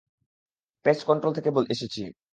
Paste control থেকে এসেছি।